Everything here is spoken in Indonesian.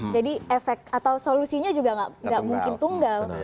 jadi efek atau solusinya juga nggak mungkin tunggal